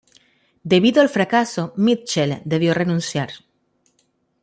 Debido al fracaso, Mitchell debió renunciar.